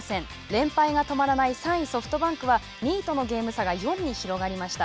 連敗が止まらない３位ソフトバンクは２位とのゲーム差が４に広がりました。